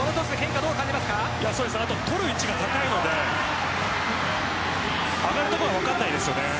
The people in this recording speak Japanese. あと取る位置が高いので上がるところが分からないです。